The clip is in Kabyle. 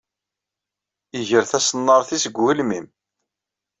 Iger taṣennart-is deg ugelmim.